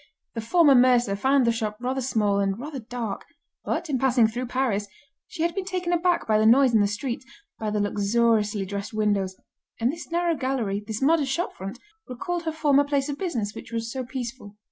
The former mercer found the shop rather small, and rather dark; but, in passing through Paris, she had been taken aback by the noise in the streets, by the luxuriously dressed windows, and this narrow gallery, this modest shop front, recalled her former place of business which was so peaceful.